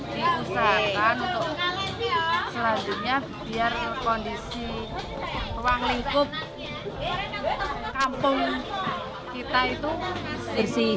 diusahakan untuk selanjutnya biar kondisi ruang lingkup kampung kita itu bersih